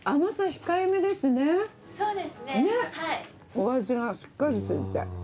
お味がしっかり付いて。